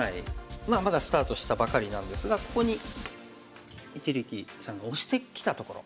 まあまだスタートしたばかりなんですがここに一力さんがオシてきたところ。